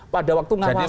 pada waktu mengawasi tender